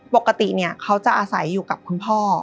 ปกติเขาจะอาศัยอยู่กับคุณพ่อ